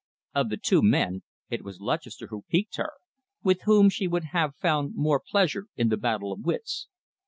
Of the two men it was Lutchester who piqued her, with whom she would have found more pleasure in the battle of wits.